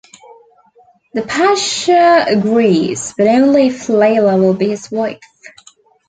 The pasha agrees, but only if Leila will be his wife.